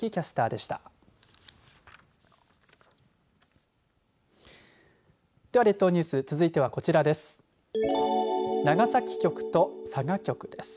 では、列島ニュース続いてはこちらです。